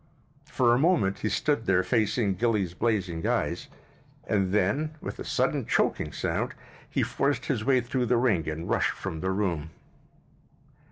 For a moment he stood there facing Gilly's blazing eyes, and then, with a sudden choking sound, he forced his way through the ring and rushed from the room.